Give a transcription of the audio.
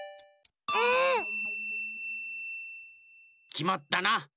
きまったな。